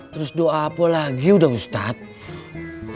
terus doa apa lagi udah ustadz